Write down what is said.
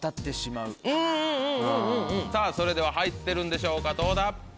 さぁそれでは入ってるんでしょうかどうだ？